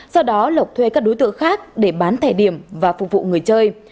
do đó lộc thuê các đối tượng khác để bán thẻ điểm và phục vụ người chơi